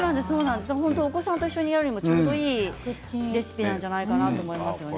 お子さんと一緒にやるにもちょうどいいレシピなんじゃないかなと思いますね。